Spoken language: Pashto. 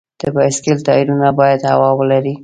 د بایسکل ټایرونه باید هوا ولري.